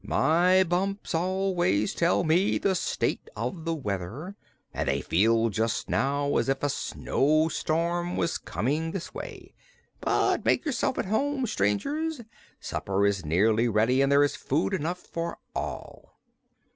"My bumps always tell me the state of the weather, and they feel just now as if a snowstorm was coming this way. But make yourselves at home, strangers. Supper is nearly ready and there is food enough for all."